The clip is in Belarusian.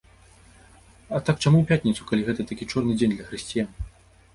А так, чаму ў пятніцу, калі гэта такі чорны дзень для хрысціян?